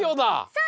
そう！